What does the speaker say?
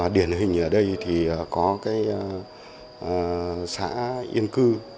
điển hình ở đây thì có cái xã yên cư